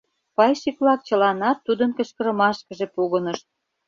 Пайщик-влак чыланат тудын кычкырымашкыже погынышт.